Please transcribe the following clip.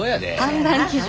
判断基準